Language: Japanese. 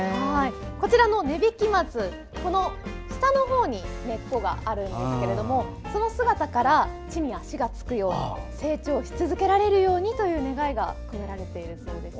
こちらの根引松下のほうに根っこがあるんですがその姿から地に足が着くように成長し続けられるようにという願いが込められているそうですよ。